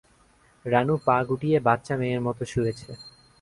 রানু পা গুটিয়ে বাচ্চা মেয়ের মতো শুয়েছে।